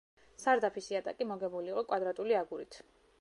სარდაფის იატაკი მოგებული იყო კვადრატული აგურით.